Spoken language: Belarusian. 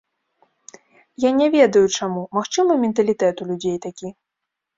Я не ведаю, чаму, магчыма, менталітэт у людзей такі.